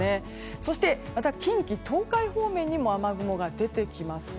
そして、近畿・東海方面にも雨雲が出てきます。